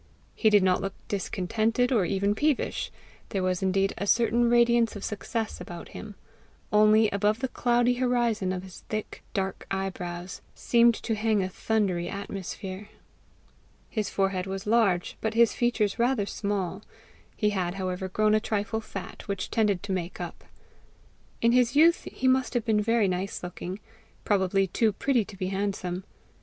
He did not look discontented, or even peevish; there was indeed a certain radiance of success about him only above the cloudy horizon of his thick, dark eyebrows, seemed to hang a thundery atmosphere. His forehead was large, but his features rather small; he had, however, grown a trifle fat, which tended to make up. In his youth he must have been very nice looking, probably too pretty to be handsome.